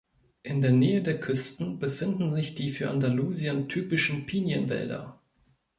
In der Nähe der Küsten befinden sich die für Andalusien typischen Pinienwälder.